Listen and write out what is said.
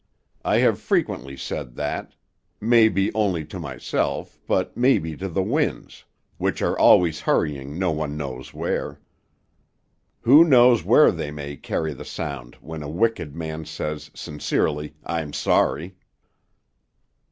I have frequently said that, may be only to myself, but may be to the winds, which are always hurrying no one knows where. Who knows where they may carry the sound when a wicked man says, sincerely, 'I'm sorry?'"